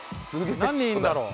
何人いるんだろう？